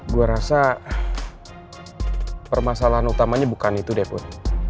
gue rasa permasalahan utamanya bukan itu deh putri